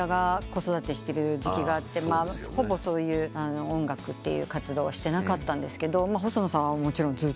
子育てしてる時期があってほぼそういう音楽って活動はしてなかったんですけど細野さんはもちろんずっとやられて。